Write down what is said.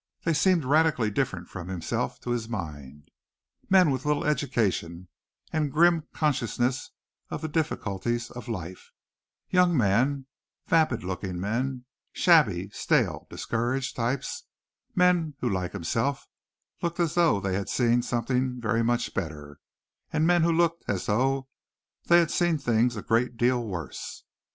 They seemed radically different from himself to his mind, men with little education and a grim consciousness of the difficulties of life; young men, vapid looking men, shabby, stale, discouraged types men who, like himself, looked as though they had seen something very much better, and men who looked as though they had seen things a great deal worse.